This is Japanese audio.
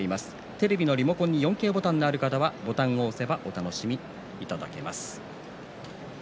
テレビのリモコンに４Ｋボタンのある方はボタンを押せばお楽しみいただけます。